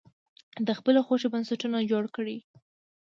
د خپلې خوښې بنسټونه جوړ کړي.